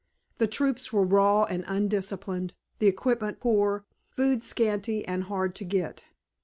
The troops were raw and undisciplined, the equipment poor, food scanty and hard to get.